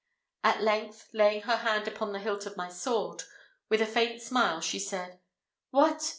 At length, laying her hand upon the hilt of my sword, with a faint smile, she said, "What!